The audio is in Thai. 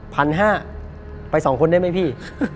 ๑๕๐๐ไป๒คนได้ไหมพี่